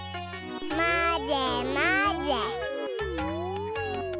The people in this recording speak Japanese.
まぜまぜ。